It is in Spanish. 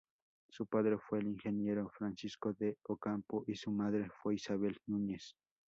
Su padre fue el ingeniero Francisco de Ocampo y su madre fue Isabel Núñez.